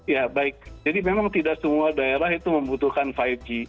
ya baik jadi memang tidak semua daerah itu membutuhkan lima g